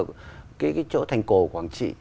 cái chỗ thành cổ quảng trị